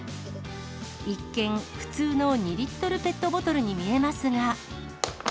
一見、普通の２リットルペットボトルに見えますが。